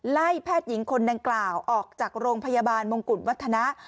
แพทย์หญิงคนดังกล่าวออกจากโรงพยาบาลมงกุฎวัฒนะ